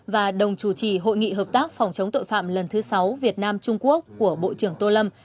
và đồng chủ trì hội nghị hợp tác phòng chống tội phạm lần thứ sáu việt nam trung quốc của bộ trưởng tô lâm